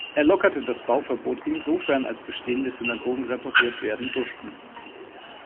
Er lockerte das Bauverbot insofern, als bestehende Synagogen repariert werden durften.